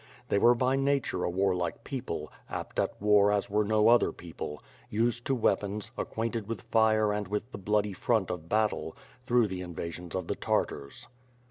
They were by nature a warlike people, apt at war as were no other people, used to weapons, acquainted with fire and with the bloody front of battle, through the invasions of the Tartars.